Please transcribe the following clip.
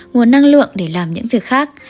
nguồn năng lượng để làm những việc khác